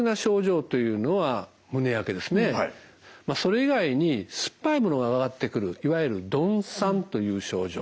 それ以外に酸っぱいものが上がってくるいわゆる呑酸という症状。